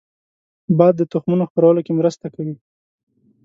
باد د تخمونو خپرولو کې مرسته کوي